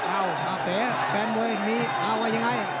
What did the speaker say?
อาวะยังไง